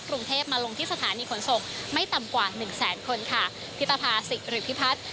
กรุงเทพมาลงที่สถานีขนส่งไม่ต่ำกว่าหนึ่งแสนคนค่ะพิปภาสิริพิพัฒน์